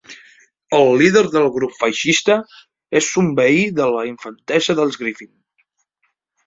El líder del grup feixista és un veí de la infantesa dels Griffin.